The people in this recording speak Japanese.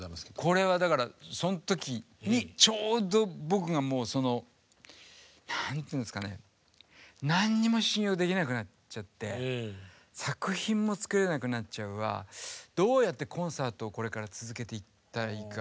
これはだからそん時にちょうど僕が何にも信用できなくなっちゃって作品も作れなくなっちゃうわどうやってコンサートをこれから続けていったらいいか。